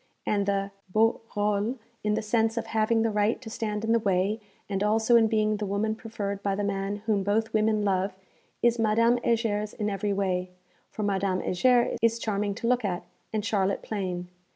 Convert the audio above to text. And the beau rôle, in the sense of having the right to stand in the way, and also in being the woman preferred by the man whom both women love, is Madame Heger's in every way, for Madame Heger is charming to look at, and Charlotte plain.